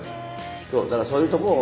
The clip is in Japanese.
そうだからそういうとこを。